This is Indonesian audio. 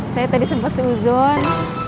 saya tadi sempet seuzon